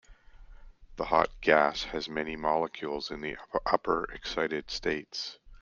The hot gas has many molecules in the upper excited states.